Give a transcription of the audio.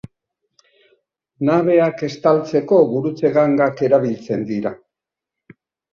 Nabeak estaltzeko gurutze-gangak erabiltzen dira.